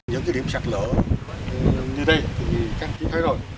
những điểm sạt lở như đây các bạn thấy rồi